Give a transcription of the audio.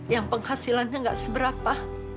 yang penghasilannya nggak seberapa